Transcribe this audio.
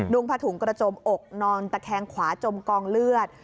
งผถุงกระจมอกนอนตะแคงขวาจมกองเลือด